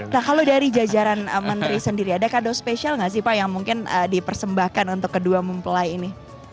nah kalau dari jajaran menteri sendiri ada kado spesial nggak sih pak yang mungkin dipersembahkan untuk kedua mempelai ini